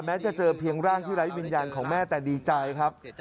จะเจอเพียงร่างที่ไร้วิญญาณของแม่แต่ดีใจครับ